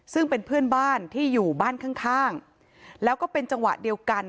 ซึ่งเป็นเพื่อนบ้านที่อยู่บ้านข้างข้างแล้วก็เป็นจังหวะเดียวกัน